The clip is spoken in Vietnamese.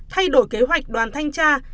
thay đổi kế hoạch đoàn thanh tra